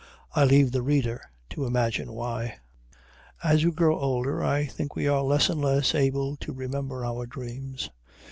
I leave the reader to imagine why. As we grow older, I think we are less and less able to remember our dreams.